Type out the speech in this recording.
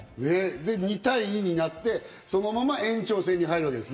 ２対２になって、延長戦に入るわけです。